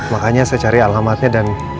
makanya saya cari alamatnya dan